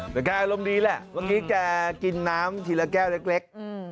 เดี๋ยวก่อนอารมณ์ดีแหละวันนี้กับกินน้ำทีละแก้วเล็ก